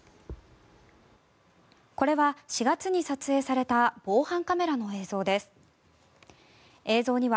これは４月に撮影された防犯カメラの映像です。